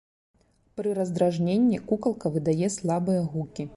Пры раздражненні кукалка выдае слабыя гукі.